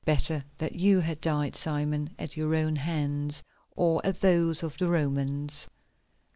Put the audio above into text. "Better that you had died, Simon, at your own hands, or at those of the Romans."